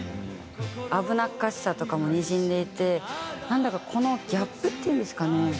危なっかしさとかもにじんでいてなんだかこのギャップっていうんですかね。